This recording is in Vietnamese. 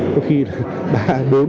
có khi là